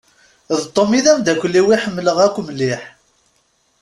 D Tom i d amdakel-iw i ḥemmleɣ akk mliḥ.